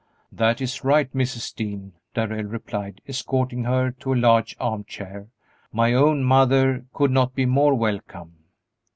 "That is right, Mrs. Dean," Darrell replied, escorting her to a large arm chair; "my own mother could not be more welcome."